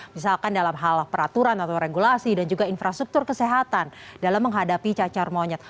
misalkan dalam hal peraturan atau regulasi dan juga infrastruktur kesehatan dalam menghadapi cacar monyet